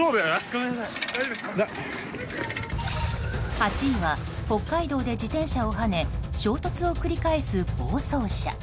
８位は、北海道で自転車をはね衝突を繰り返す暴走車。